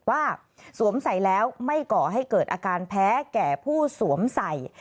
สวมใส่แล้วไม่ก่อให้เกิดอาการแพ้แก่ผู้สวมใส่